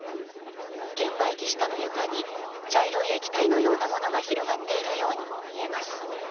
券売機下の床に茶色い液体のようなものが広がっているようにも見えます。